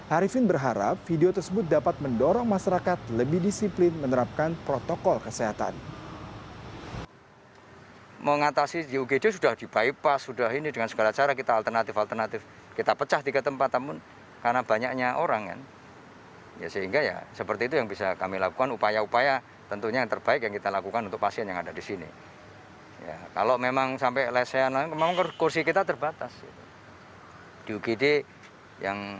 arifin berharap video tersebut dapat mendorong masyarakat lebih disiplin menerapkan protokol kesehatan